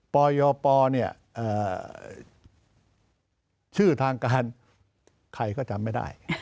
ปยปชื่อทางการใครก็จำไม่ได้